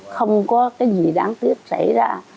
không có cái gì đáng tiếc xảy ra